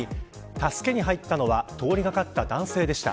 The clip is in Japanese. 助けに入ったのは通りがかった男性でした。